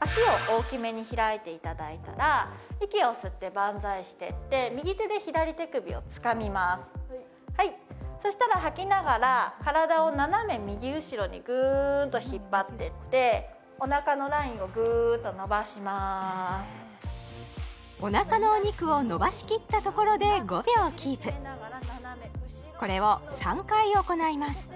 足を大きめに開いていただいたら息を吸ってバンザイしてって右手で左手首をつかみますはいそしたら吐きながら体を斜め右後ろにぐーんと引っ張ってっておなかのラインをグーッとのばしますおなかのお肉をのばし切ったところで５秒キープこれを３回行います